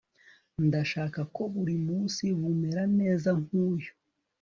ndashaka ko burimunsi bumera neza nkuyu